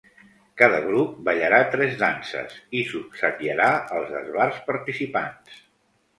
Cada grup ballarà tres danses i s’obsequiarà als esbarts participants.